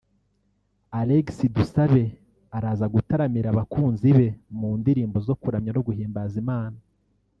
Alexis Dusabe araza gutaramira abakunzi be mu ndirimbo zo kuramya no guhimbaza Imana